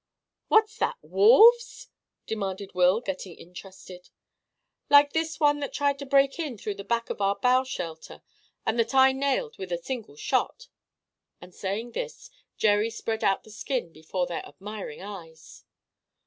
"What's that—wolves?" demanded Will, getting interested. "Like this one that tried to break in through the back of our bough shelter, and that I nailed with a single shot." And, saying this, Jerry spread out the skin before their admiring eyes.